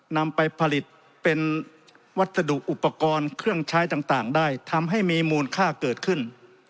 นำไปผลิตเป็นวัสดุอุปกรณ์เครื่องใช้ต่างได้ทำให้มีมูลค่าเกิดขึ้น